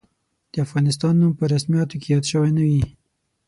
د افغانستان نوم په رسمیاتو کې یاد شوی نه وي.